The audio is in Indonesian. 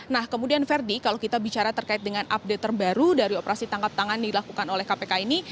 nah kemudian verdi kalau kita bicara terkait dengan update terbaru dari operasi tangkap tangan dilakukan oleh kpk ini